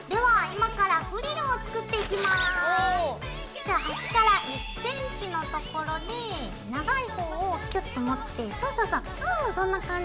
じゃあ端から１ｃｍのところで長い方をキュッと持ってそうそうそうそうそんな感じ。